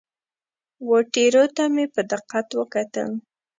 وه ټیرو ته مې په دقت وکتل.